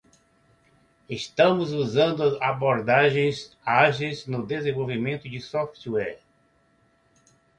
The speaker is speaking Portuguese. Estamos usando abordagens ágeis no desenvolvimento de software.